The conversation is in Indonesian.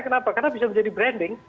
kenapa karena bisa menjadi branding